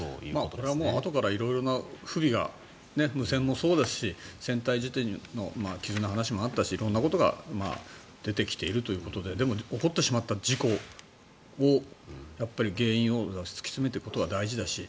これはあとから色々な不備が無線もそうですし船体の傷の話もあったし色んなことが出てきているということででも起こってしまった事故をやっぱり原因を突き詰めていくことは大事だし。